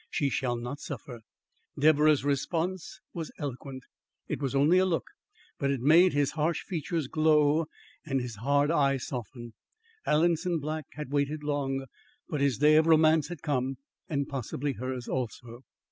She shall not suffer." Deborah's response was eloquent. It was only a look, but it made his harsh features glow and his hard eye soften. Alanson Black had waited long, but his day of romance had come and possibly hers also.